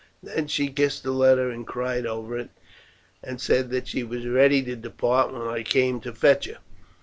Then she kissed the letter and cried over it, and said that she was ready to depart when I came to fetch her.